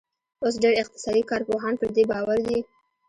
اوس ډېر اقتصادي کارپوهان پر دې باور دي